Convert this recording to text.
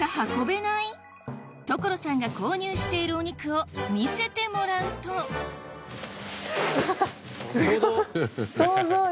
所さんが購入しているお肉を見せてもらうとうわすごっ。